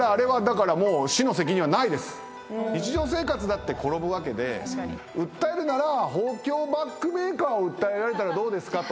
日常生活だって転ぶわけで訴えるなら豊胸バッグメーカーを訴えられたらどうですかと。